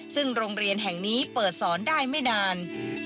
ซึ่งโรงเรียนแห่งนี้เปิดสอนได้ไม่นาน